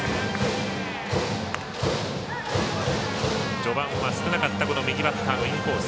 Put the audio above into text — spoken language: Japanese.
序盤は少なかった右バッターのインコース。